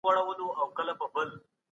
اقتصادي پرمختیا زموږ وروستۍ موخه ده.